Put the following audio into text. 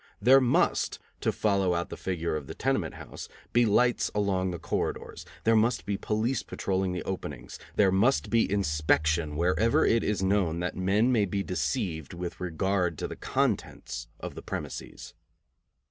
There must, to follow out the figure of the tenement house, be lights along the corridors, there must be police patrolling the openings, there must be inspection wherever it is known that men may be deceived with regard to the contents of the premises.